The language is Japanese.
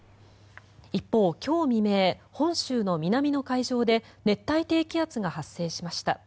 一方、今日未明本州の南の海上で熱帯低気圧が発生しました。